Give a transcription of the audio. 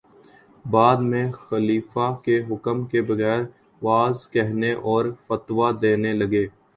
بعد میں خلیفہ کے حکم کے بغیر وعظ کہنے اور فتویٰ دینے لگے